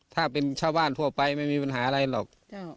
ถ้าเป็นชาวบ้านทั่วไปไม่มีปัญหาอะไรหรอก